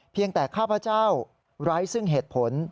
เพียงแต่ข้าพเจ้าไร้ซึ่งเหตุผล